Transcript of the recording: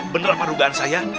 bener apa rugaan saya